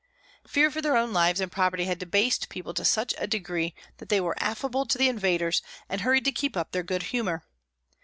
Fear for their own lives and property had debased people to such a degree that they were affable to the invaders, and hurried to keep up their good humor.